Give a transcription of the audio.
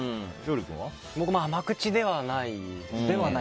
僕も甘口ではないです。